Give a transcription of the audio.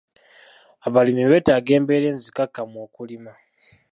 Abalimi beetaaga embeera enzikakkamu okulima.